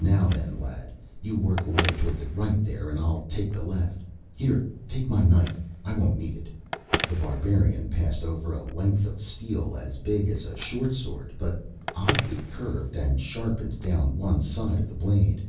"Now, then, lad you work away toward the right, there, and I'll take the left. Here take my knife. I won't need it." The Barbarian passed over a length of steel as big as a short sword, but oddly curved and sharpened down one side of the blade.